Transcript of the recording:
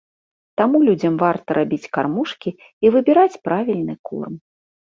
Таму людзям варта рабіць кармушкі і выбіраць правільны корм.